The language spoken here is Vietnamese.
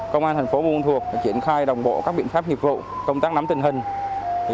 công an thành phố bùi ma thuột chuyển khai đồng bộ các biện pháp nghiệp vụ công tác nắm tình hình